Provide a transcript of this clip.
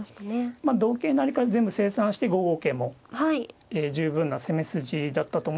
まあ同桂成から全部清算して５五桂もえ十分な攻め筋だったと思うんですけども。